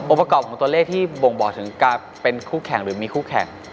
ประกอบของตัวเลขที่บ่งบอกถึงการเป็นคู่แข่งหรือมีคู่แข่ง